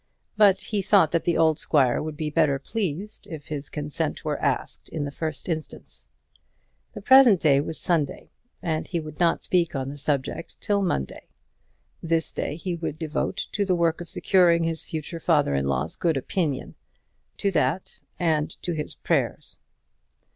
But he thought that the old squire would be better pleased if his consent were asked in the first instance. The present day was Sunday, and he would not speak on the subject till Monday. This day he would devote to the work of securing his future father in law's good opinion; to that, and to his prayers.